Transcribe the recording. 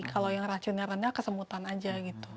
kalau yang racunnya rendah kesemutan saja